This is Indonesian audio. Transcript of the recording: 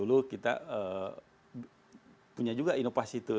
dulu kita punya juga inovasi itu